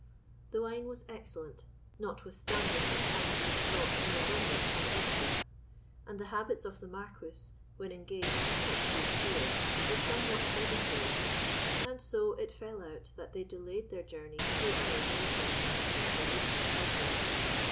The wine was excellent, notwithstanding its having been brought in a runlet from Edinburgh; and the habits of the Marquis, when engaged with such good cheer, were somewhat sedentary. And so it fell out that they delayed their journey two hours later than was their original purpose.